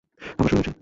আবার শুরু হয়েছে।